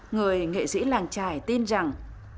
người nghệ sĩ làng trài tin rằng